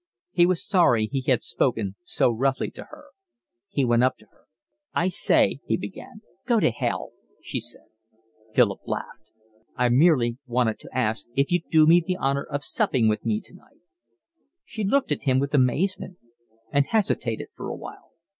He was sorry he had spoken so roughly to her. He went up to her. "I say," he began. "Go to hell," she said. Philip laughed. "I merely wanted to ask if you'd do me the honour of supping with me tonight." She looked at him with amazement, and hesitated for a while.